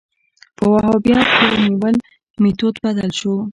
په وهابیت تورنول میتود بدل شو